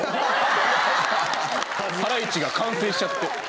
ハライチが完成しちゃって。